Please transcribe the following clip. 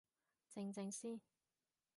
靜靜先